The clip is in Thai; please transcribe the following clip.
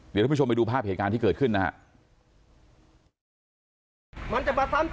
เดี๋ยวท่านผู้ชมไปดูภาพเหตุการณ์ที่เกิดขึ้นนะครับ